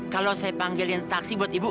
kalau saya panggilin taksi buat ibu